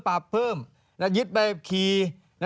แล้วยึดแบบคีย์